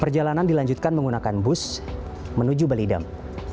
perjalanan dilanjutkan menggunakan bus menuju belidam